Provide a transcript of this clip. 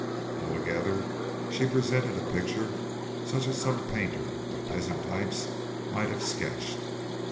Altogether she presented a picture such as some painter of peasant types might have sketched.